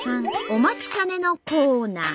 お待ちかねのコーナー！